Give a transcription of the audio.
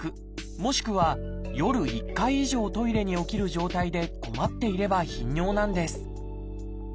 もしくは夜１回以上トイレに起きる状態で困っていれば頻尿なんです。